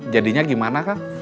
jadinya gimana kang